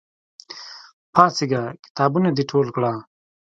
پاڅېږه! کتابونه د ټول کړه!